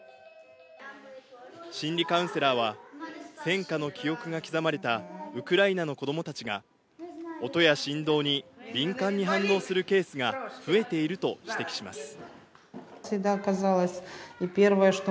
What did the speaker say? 心理カウンセラーは、戦火の記憶が刻まれたウクライナの子どもたちが、音や振動に敏感に反応するケースが増えていると指摘します。